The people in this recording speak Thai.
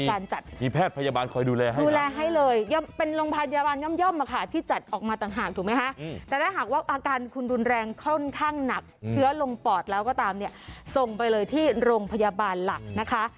การจัดมีแพทย์พยาบาลคอยดูแลดูแลให้เลยเป็นโรงพยาบาลย่อมที่จัดออกมาต่างหากถูกไหมคะแต่ถ้าหากว่าอาการคุณรุนแรงค่อนข้างหนักเชื้อลงปอดแล้วก็ตามเนี่ยส่งไปเลยที่โรงพยาบาลหลักนะคะ